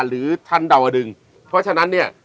หรือทันดาวดึงเพราะฉะนั้นเนี่ย